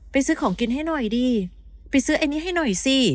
ซื้อของกินให้หน่อยดีไปซื้ออันนี้ให้หน่อยสิ